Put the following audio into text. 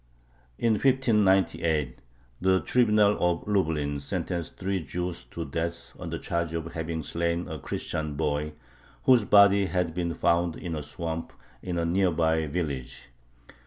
In 1598 the Tribunal of Lublin sentenced three Jews to death on the charge of having slain a Christian boy, whose body had been found in a swamp in a near by village.